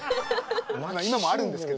まだ今もあるんですけど。